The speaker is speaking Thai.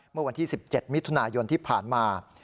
เมื่อวันที่๑๗มิถุนายนที่ผ่านมา